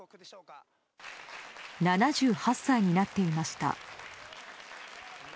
７８歳になっていました。